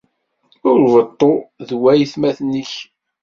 Ur beṭṭu d waytmaten-ik